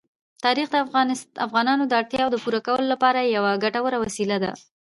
تاریخ د افغانانو د اړتیاوو د پوره کولو لپاره یوه ګټوره وسیله ده.